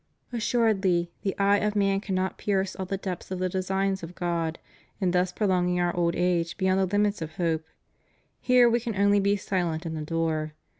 Assuredly the eye of man cannot pierce all the depths of the designs of God in thus prolonging Our old age be yond the limits of hope: here We can only be silent and adore.